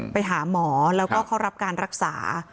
ไปหาหมอแล้วก็เข้ารับการรักษา